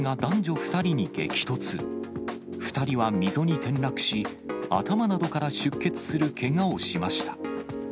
２人は溝に転落し、頭などから出血するけがをしました。